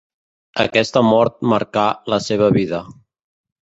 Aquesta mort marcà la seva vida.